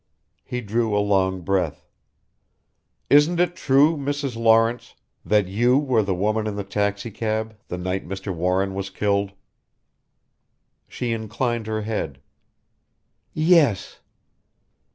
He drew a long breath. "Isn't it true, Mrs. Lawrence, that you were the woman in the taxi cab the night Mr. Warren was killed?" She inclined her head. "Yes."